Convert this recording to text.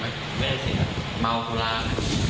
ไม่เห็นเสียเมาคุลาเหรอ